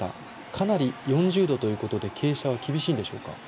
かなり４０度ということで傾斜は厳しいんでしょうか。